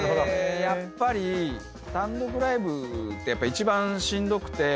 やっぱり単独ライブって一番しんどくて。